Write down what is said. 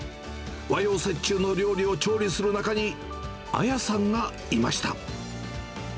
和洋折衷の料理を調理する中に、綾さんがいました。